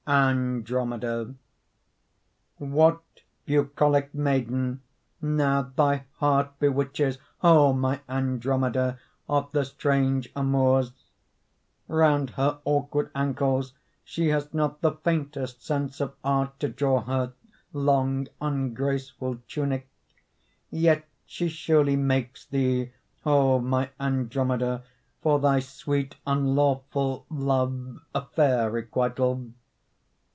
ANDROMEDA What bucolic maiden Now thy heart bewitches, O my Andromeda Of the strange amours? Round her awkward ankles She has not the faintest Sense of art to draw her Long ungraceful tunic. Yet she surely makes thee, O my Andromeda, For thy sweet unlawful Love a fair requital.